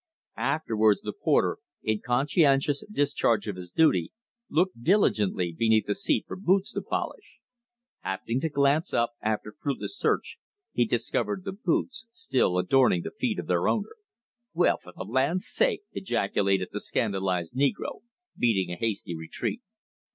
Afterwards the porter, in conscientious discharge of his duty, looked diligently beneath the seat for boots to polish. Happening to glance up, after fruitless search he discovered the boots still adorning the feet of their owner. "Well, for th' LANDS sake!" ejaculated the scandalized negro, beating a hasty retreat.